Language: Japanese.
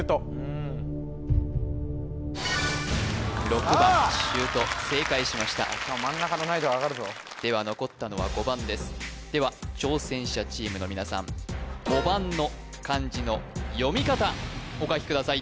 ６番しゅうと正解しました真ん中の難易度上がるぞでは残ったのは５番ですでは挑戦者チームの皆さん５番の漢字の読み方お書きください